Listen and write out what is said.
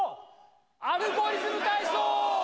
「アルゴリズムたいそう」！